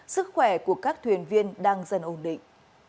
sức khỏe của các thuyền viên đang dần ổn định